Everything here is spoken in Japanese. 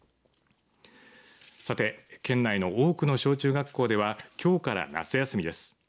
さて、県内の多くの小中学校ではきょうから夏休みです。